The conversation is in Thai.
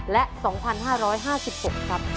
และสองพันห้าร้อยห้าสิบหกครับ